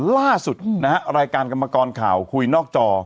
ล่าสุดนะฮะรายการกรรมกรข่าวคุยนอกจอ